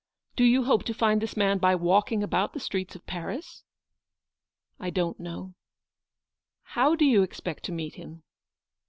Do you hope to find this man by walking about the streets of Paris ? n " I don't know." " How do you expect to meet him